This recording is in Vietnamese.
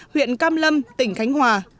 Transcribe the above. huyện cam lâm tỉnh khánh hòa